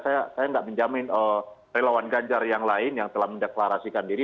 saya tidak menjamin relawan ganjar yang lain yang telah mendeklarasikan diri